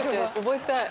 覚えたい！